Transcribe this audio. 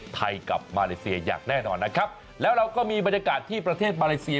กับมาเลเซียอย่างแน่นอนนะครับแล้วเราก็มีบรรยากาศที่ประเทศมาเลเซีย